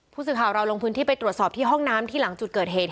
ผู้สื่อข่าวเราลงพื้นที่ไปตรวจสอบที่ห้องน้ำที่หลังจุดเกิดเหตุ